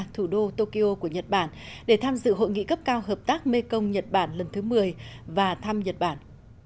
thủ đô tokyo của nhật bản để tham dự hội nghị cấp cao hợp tác mekong nhật bản lần thứ một mươi và thăm nhật bản